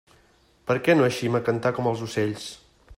Per què no eixim a cantar com els ocells?